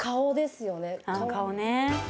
顔ね。